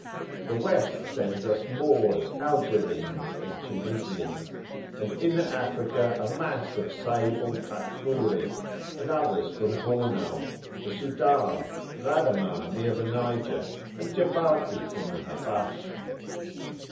The West sends us Moors, Algerines, and Tunisians, and Inner Africa a mass of sable Takrouri,[FN#23] and others from Bornou, the Sudan,[FN#24] Ghadamah near the Niger, and Jabarti from the Habash.